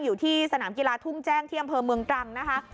อยู่ที่สนามกีฬาทุ่งแจ้งที่อำเภอเมืองตรังนะคะ